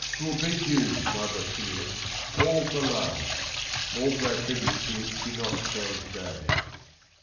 "We 'II beat you, my Bottinius, all for love; All for our tribute to Cinotto's day."